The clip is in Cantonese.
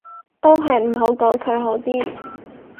都係唔好講佢好啲